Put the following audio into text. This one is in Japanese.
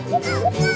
ゴー！